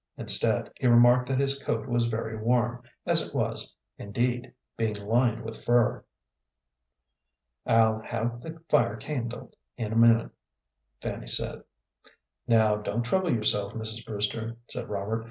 Instead, he remarked that his coat was very warm, as it was, indeed, being lined with fur. "I'll have the fire kindled in a minute," Fanny said. "Now don't trouble yourself, Mrs. Brewster," said Robert.